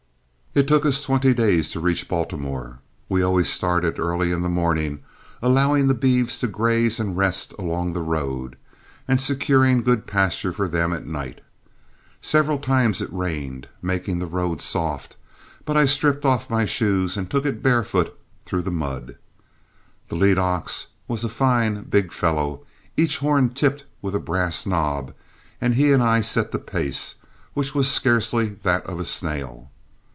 It took us twenty days to reach Baltimore. We always started early in the morning, allowing the beeves to graze and rest along the road, and securing good pastures for them at night. Several times it rained, making the road soft, but I stripped off my shoes and took it barefooted through the mud. The lead ox was a fine, big fellow, each horn tipped with a brass knob, and he and I set the pace, which was scarcely that of a snail.